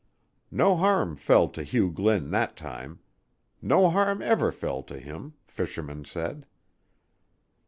No harm fell to Hugh Glynn that time. No harm ever fell to him, fishermen said.